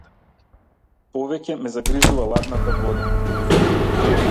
Повеќе ме загрижува ладната вода.